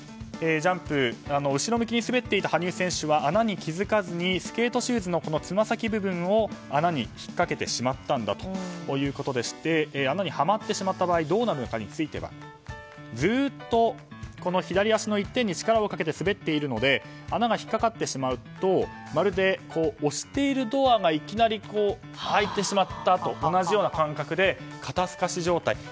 後ろ向きに滑っていた羽生選手は穴に気づかずにスケート靴のつま先部分を穴に引っかけてしまったんだということでして穴にはまってしまった場合どうなるのかについてはずっと左足の一点に力をかけて滑っているので穴に引っかかってしまうとまるで、押しているドアがいきなり開いてしまった時と同じような感覚で肩すかし状態。